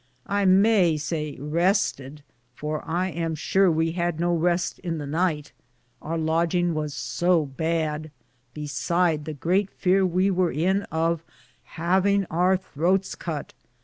I may say rested, for I am sure we had no reste in the nyghte, our lodginge was so bade, be side the greate feare we wear in of haveinge our throtes cutt.